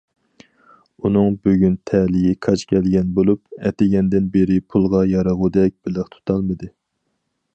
ئۇنىڭ بۈگۈن تەلىيى كاج كەلگەن بولۇپ، ئەتىگەندىن بېرى پۇلغا يارىغۇدەك بېلىق تۇتالمىدى.